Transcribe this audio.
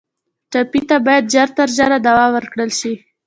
ټپي ته باید ژر تر ژره دوا ورکړل شي.